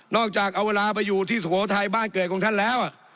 อกจากเอาเวลาไปอยู่ที่สุโขทัยบ้านเกิดของท่านแล้ว